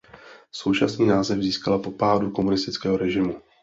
Současný název získala po pádu komunistického režimu.